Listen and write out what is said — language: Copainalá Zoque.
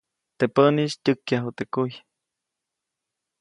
Teʼ päʼnis tyäkyaju teʼ kuy.